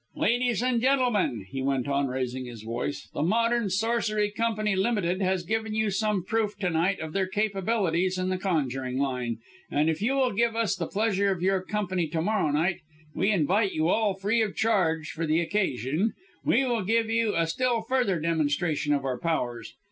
"Ladies and gentlemen!" he went on, raising his voice, "the Modern Sorcery Company Ltd. has given you some proof to night of their capabilities in the conjuring line, and if you will give us the pleasure of your company to morrow night we invite you all free of charge for the occasion we will give you a still further demonstration of our powers.